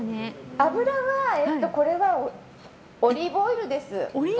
油はオリーブオイルです。